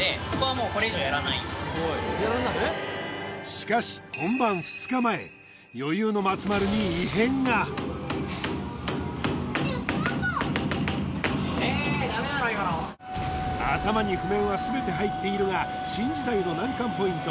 しかし余裕の松丸に頭に譜面は全て入っているが「新時代」の難関ポイント